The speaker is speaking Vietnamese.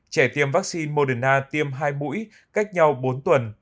trẻ tiêm vắc xin moderna tiêm hai mũi cách nhau bốn tuần